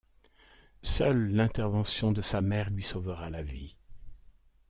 Seule l'intervention de sa mère lui sauvera la vie.